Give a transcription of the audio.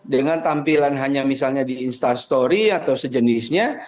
dengan tampilan hanya misalnya di instastory atau sejenisnya